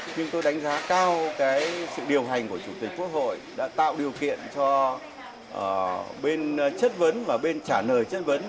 nhưng tôi đánh giá cao sự điều hành của chủ tịch quốc hội đã tạo điều kiện cho bên chất vấn và bên trả lời chất vấn